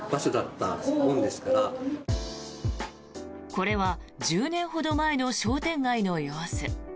これは１０年ほど前の商店街の様子。